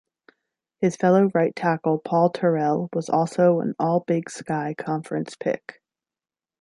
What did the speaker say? His fellow right tackle Paul Terrell was also an All-Big Sky Conference pick.